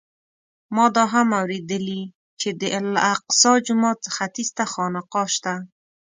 ما دا هم اورېدلي چې د الاقصی جومات ختیځ ته خانقاه شته.